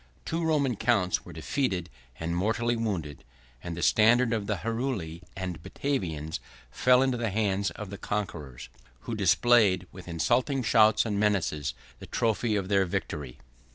Two Roman counts were defeated and mortally wounded; and the standard of the Heruli and Batavians fell into the hands of the conquerors, who displayed, with insulting shouts and menaces, the trophy of their victory.